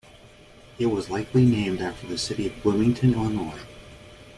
It was likely named after the city of Bloomington, Illinois.